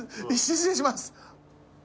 失礼します！